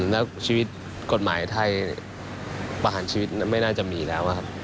แล้วชีวิตกฎหมายไทยประหารชีวิตไม่น่าจะมีแล้วครับ